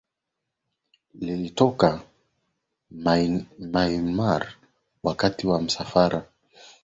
lilitoka Myanmar Wakati wa msafara waligawanyika makundi matatu